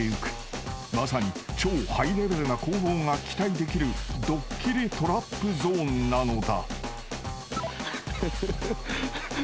［まさに超ハイレベルな攻防が期待できるドッキリトラップゾーンなのだ］